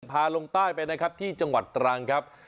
พาลงใต้ไปนะครับที่จังหวัดตรังครับ